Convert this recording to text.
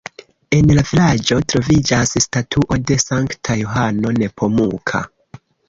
En la vilaĝo troviĝas statuo de Sankta Johano Nepomuka.